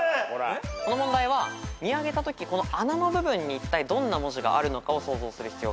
この問題は見上げたときこの穴の部分にいったいどんな文字があるのかを想像する必要があります。